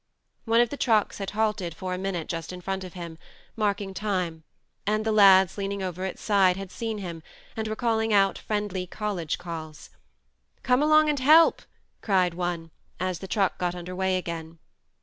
One of the trucks had halted for a minute just in front of him, marking time, and the lads leaning over its side had seen him, and were calling out friendly college calls. " Come along and help !" cried one, as the truck got under way again.